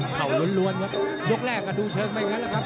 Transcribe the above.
เข่าล้วนยกแรกก็ดูเชิงไม่เหมือนกันนะครับ